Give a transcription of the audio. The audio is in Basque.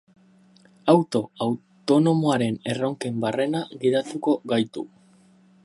Auto autonomoaren erronken barrena gidatuko gaitu.